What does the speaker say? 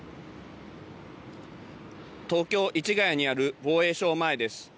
東京市ヶ谷にある防衛省前です。